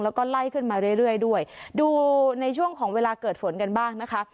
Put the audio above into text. แล้วก็ไล่ขึ้นมาเรื่อยเรื่อยด้วยดูในช่วงของเวลาเกิดฝนกันบ้างนะคะ